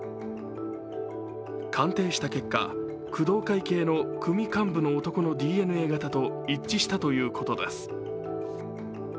鑑定した結果、工藤会系の組幹部の男のＤＮＡ型と一致したということです。